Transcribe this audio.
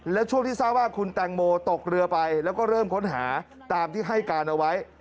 และช่วงที่ทราบว่าคุณแตงโมตกเรือไปแล้วก็เริ่มค้นหาตามที่ให้การเอาไว้